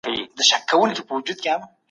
آيا دا پېښه د مخنيوي وړ وه؟